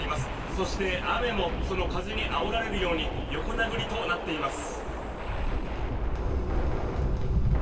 そして、雨もその風にあおられるように横殴りとなっています。